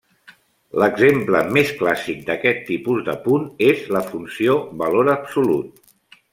L'exemple més clàssic d'aquest tipus de punt és la funció valor absolut.